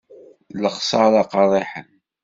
D lexsara qerriḥen.